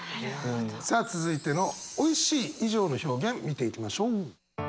さあ続いてのおいしい以上の表現見ていきましょう。